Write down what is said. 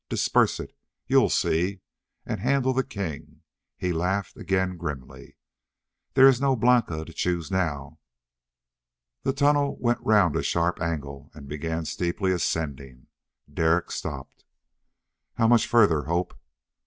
Disperse it! You'll see! And handle the king." He laughed again grimly. "There is no Blanca to choose now." The tunnel went round a sharp angle and began steeply ascending. Derek stopped. "How much further, Hope?"